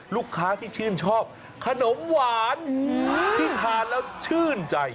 ลูกค้าที่ชื่นชอบขนมหวานที่ทานแล้วชื่นใจ